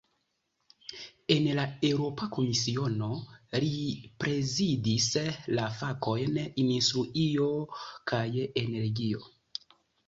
En la Eŭropa Komisiono, li prezidis la fakojn "industrio kaj energio".